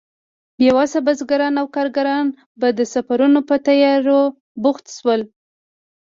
بې وسه بزګران او کارګران به د سفرونو په تيارو بوخت شول.